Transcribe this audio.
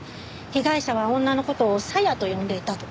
被害者は女の事を「サヤ」と呼んでいたと。